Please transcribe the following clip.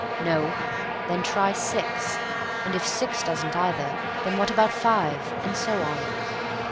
No. Then try 6; and if 6 doesn't either, then what about 5?—and so on.